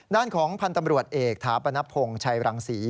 ด้านของพันธ์ตำรวจเอกถาปนพงศ์ชัยรังศรี